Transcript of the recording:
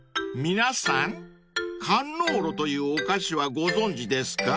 ［皆さんカンノーロというお菓子はご存じですか？］